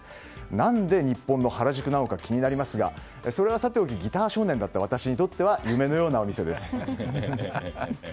何で日本の原宿なのか気になりますがそれはさておきギター少年だった私にとっては夢のようなお店です。